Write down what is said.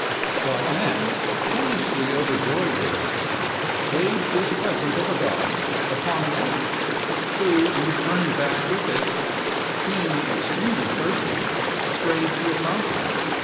But men, foolishly overjoyed hereat, laid this present of the gods upon an ass, who, in returning back with it, being extremely thirsty, strayed to a fountain.